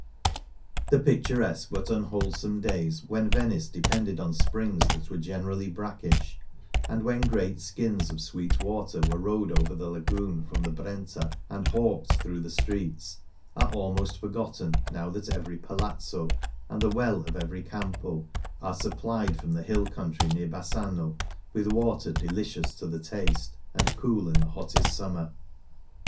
The picturesque but unwholesome days when Venice depended on springs that were generally brackish, and when great skins of sweet water were rowed over the Lagoon from the Brenta and hawked through the streets, are almost forgotten now that every palazzo and the well of every campo are supplied from the hill country near Bassano with water delicious to the taste, and cool in the hottest summer.